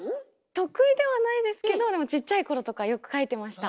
得意ではないですけどでもちっちゃい頃とかよく描いてました。